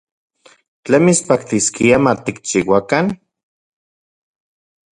¿Tlen mitspaktiskia matikchiuakan?